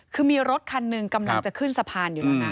คือมีรถคันหนึ่งกำลังจะขึ้นสะพานอยู่แล้วนะ